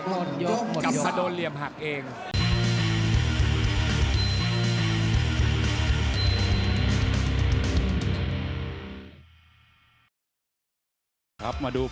เออหมดยก